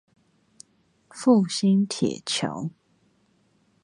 復興鐵橋